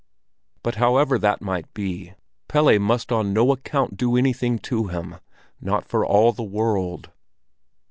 But however that might be, Pelle must on no account do anything to him, not for all the world.